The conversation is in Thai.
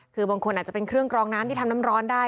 คือบางคนอาจจะเป็นเครื่องกรองน้ำที่ทำน้ำร้อนได้